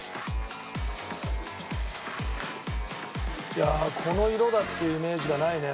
いやあこの色だっていうイメージがないね。